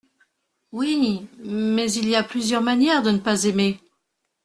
Oui… mais il y a plusieurs manières de ne pas aimer.